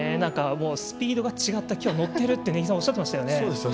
スピードが違ってきょうは乗っているって根木さんおっしゃってましたよね。